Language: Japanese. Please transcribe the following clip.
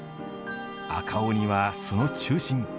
赤鬼はその中心。